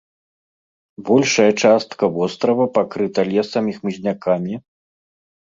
Большая частка вострава пакрыта лесам і хмызнякамі.